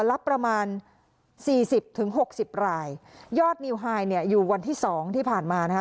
รับประมาณสี่สิบถึงหกสิบรายยอดนิวไฮเนี่ยอยู่วันที่สองที่ผ่านมานะคะ